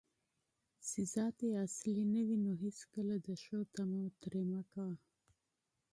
چې ذات یې اصلي نه وي، نو هیڅکله د ښو طمعه ترې مه کوه